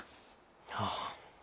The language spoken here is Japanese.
ああ。